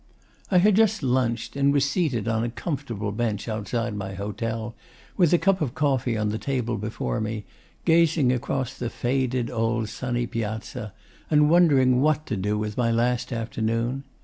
I had just lunched, and was seated on a comfortable bench outside my hotel, with a cup of coffee on the table before me, gazing across the faded old sunny piazza and wondering what to do with my last afternoon.